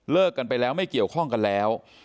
กันไปแล้วไม่เกี่ยวข้องกันแล้ว